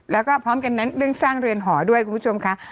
แล้วก็พร้อมกันนั้นเรื่องสร้างเรือนหอด้วยคุณผู้ชมค่ะ